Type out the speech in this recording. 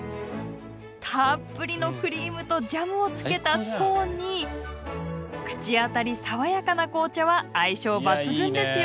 たっぷりのクリームとジャムをつけたスコーンに口当たり爽やかな紅茶は相性抜群ですよ！